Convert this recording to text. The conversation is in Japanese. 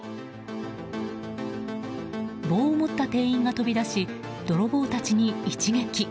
棒を持った店員が飛び出し泥棒たちに一撃。